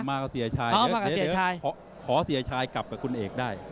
มากับเสียชายเยอะขอเสียชายกลับกับคุณเอกได้